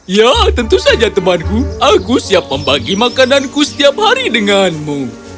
ya tentu saja temanku aku siap membagi makananku setiap hari denganmu